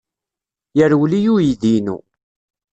Yerwel-iyi uydi-inu.